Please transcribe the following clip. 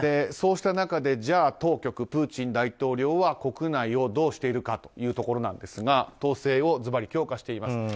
そうした中でじゃあ、当局プーチン大統領は国内をどうしているかというところですが統制をずばり強化しています。